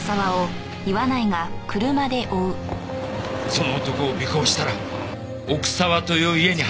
その男を尾行したら奥沢という家に入った。